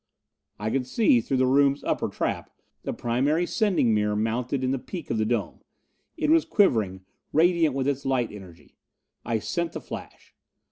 I could see, through the room's upper trap, the primary sending mirror mounted in the peak of the dome. It was quivering, radiant with its light energy. I sent the flash.